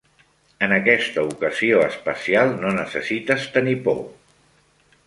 En aquesta ocasió espacial, no necessites tenir por.